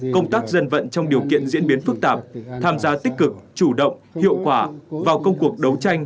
công tác dân vận trong điều kiện diễn biến phức tạp tham gia tích cực chủ động hiệu quả vào công cuộc đấu tranh